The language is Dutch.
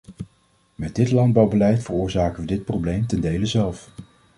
Met dit landbouwbeleid veroorzaken we dit probleem ten dele zelf.